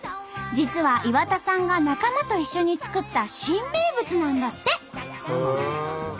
実は岩田さんが仲間と一緒に作った新名物なんだって！